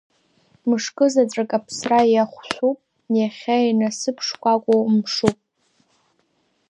Мышкы заҵәык аԥсра иахәшәуп, иахьа инасыԥшкәакәоу мшуп.